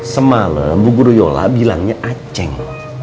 semalam bu guru yola bilangnya aceh